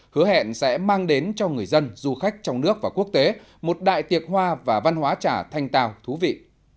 hứa hẹn sẽ mang đến cho người dân du khách trong nước và quốc tế một đại tiệc hoa và văn hóa trà thanh tào thú vị